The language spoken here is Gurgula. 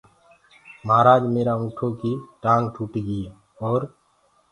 مهآرآج ميرآ اُنٚٺوڪي ٽآنٚگ ٽوٽگي اورَ